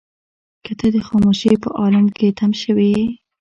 که ته د خاموشۍ په عالم کې تم شوې يې.